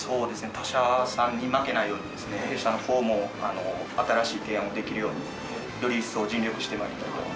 他社さんに負けないようにですね弊社の方も新しい提案をできるようにより一層尽力して参りたいと思います。